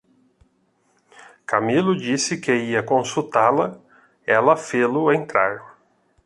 Camilo disse que ia consultá-la, ela fê-lo entrar.